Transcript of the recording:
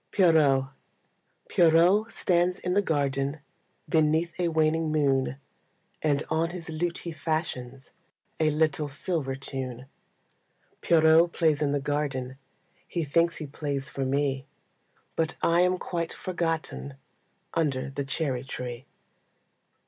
Pierrot Pierrot stands in the garden Beneath a waning moon, And on his lute he fashions A little silver tune. Pierrot plays in the garden, He thinks he plays for me, But I am quite forgotten Under the cherry tree.